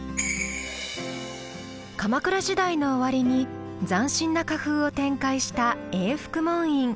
鎌倉時代の終わりに斬新な歌風を展開した永福門院。